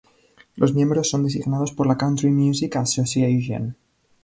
Los miembros son designados por la Country Music Association.